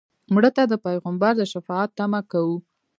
مړه ته د پیغمبر د شفاعت تمه کوو